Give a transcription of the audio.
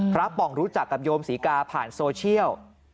ป่องรู้จักกับโยมศรีกาผ่านโซเชียล